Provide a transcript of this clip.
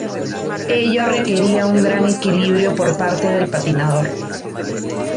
Ello requería un gran equilibrio por parte del patinador.